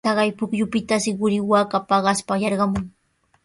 Taqay pukyupitashi quri waaka paqaspa yarqamun.